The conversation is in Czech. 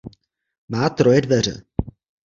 Má troje dveře.